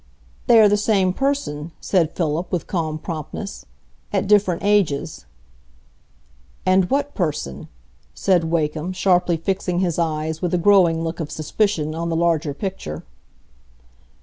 "They are the same person," said Philip, with calm promptness, "at different ages." "And what person?" said Wakem, sharply fixing his eyes with a growing look of suspicion on the larger picture.